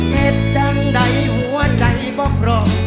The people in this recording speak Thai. เหตุจังใดหัวใจบอกพร้อม